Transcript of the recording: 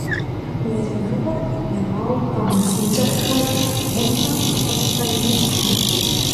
Ежьэжыгъуэр къэблэгъауэ пхъэ гъэсын кӀыхьхэр, гъумхэр мафӀэм пэрывмылъхьэ.